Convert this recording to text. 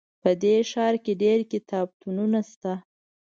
په دې ښار کې ډېر کتابتونونه شته